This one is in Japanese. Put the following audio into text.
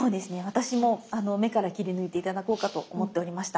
私もあの目から切り抜いて頂こうかと思っておりました。